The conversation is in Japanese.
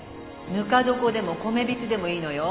「ぬか床でも米びつでもいいのよ」